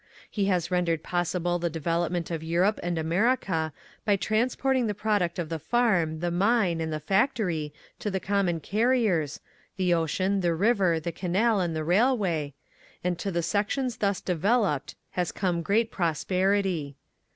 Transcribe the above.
He has rendered possible the development of Europe and America by transporting the product of the farm, the mine, and the factor)' to the common carriers — the ocean, the river, the canal, and the rail way— and to the sections thus developed has come great prosperity.